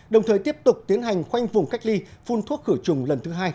đồng thời tiếp tục tiến hành khoanh vùng cách ly phun thuốc khử trùng lần thứ hai toàn khu vực